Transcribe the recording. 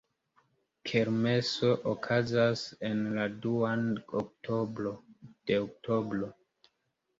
Kermeso okazas en la duan de oktobro.